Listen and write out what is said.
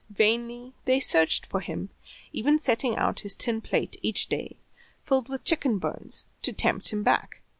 Vainly they searched for him, even setting out his tin plate each day filled with chicken bones to tempt him back.